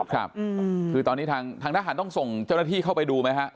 ครับคือตอนนี้ทางทหารต้องส่งเจ้าหน้าที่เข้าไปดูไหมฮะ